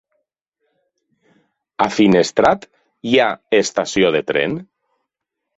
A Finestrat hi ha estació de tren?